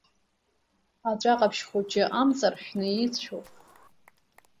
Аҵәа ҟаԥшь хәыҷ амцаршәны ицәоуп.